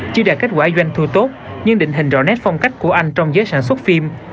chưa đạt kết quả doanh thu tốt nhưng định hình rõ nét phong cách của anh trong giới sản xuất phim